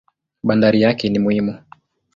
Bandari yake ni muhimu.